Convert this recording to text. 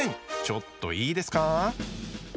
ちょっといいですか？